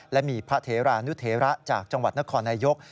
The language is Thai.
และมีพระเทรานุเทระจากจังหวัดนครนายก